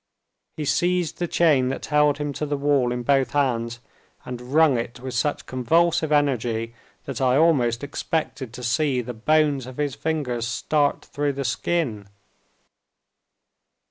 He seized the chain that held him to the wall in both hands, and wrung it with such convulsive energy that I almost expected to see the bones of his fingers start through the skin.